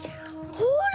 ほら！